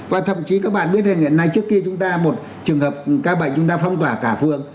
và thậm chí các bạn biết rằng hiện nay trước kia chúng ta một trường hợp ca bệnh chúng ta phong tỏa cả phương